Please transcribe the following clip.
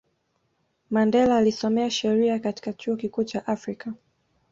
mandela alisomea sheria katika chuo kikuu cha afrika